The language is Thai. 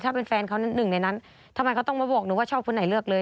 ถ้าเป็นแฟนเขาหนึ่งในนั้นทำไมเขาต้องมาบอกหนูว่าชอบคนไหนเลือกเลย